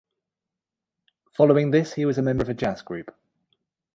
Following this, he was a member of a jazz group.